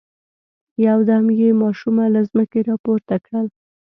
يودم يې ماشومه له ځمکې را پورته کړل.